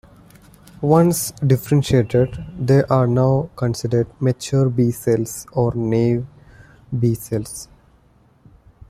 Once differentiated, they are now considered mature B cells, or naive B cells.